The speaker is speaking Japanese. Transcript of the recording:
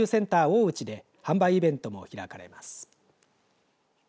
大内で販売イベントも開かれます。